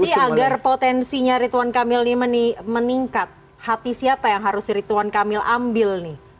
ini agar potensinya ridwan kamil ini meningkat hati siapa yang harus rituan kamil ambil nih